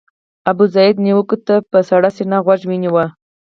ابوزید نیوکو ته په سړه سینه غوږ ونیو.